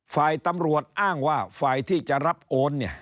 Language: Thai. ฝ่ายตำรวจอ้างว่าฝ่ายที่จะรับโอนเนี่ย